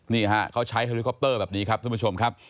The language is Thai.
นี่ฮะเขาใช้เฮลิคอปเตอร์แบบนี้ครับท่านผู้ชมครับ